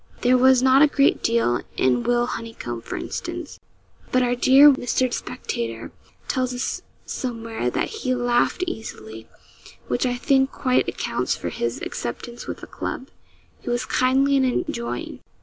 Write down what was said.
There was not a great deal in Will Honeycomb, for instance; but our dear Mr. Spectator tells us somewhere that 'he laughed easily,' which I think quite accounts for his acceptance with the club. He was kindly and enjoying.